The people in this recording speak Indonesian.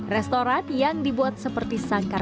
restoran yang dibuat seperti sangkar